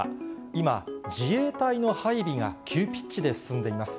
今、自衛隊の配備が急ピッチで進んでいます。